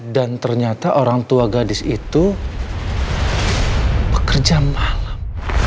dan ternyata orang tua gadis itu pekerja malam